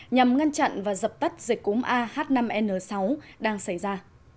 nhằm ngăn chặn và dập tắt dịch cúng ah năm n sáu đang xảy ra